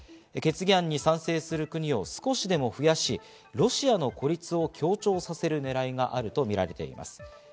決議案に賛成する国を少しでも増やし、ロシアの孤立を強調させるねらいがあるとみられています。